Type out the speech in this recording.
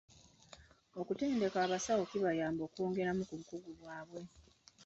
Okutendeka abasawo kibayamba okwongera ku bukugu bwabwe.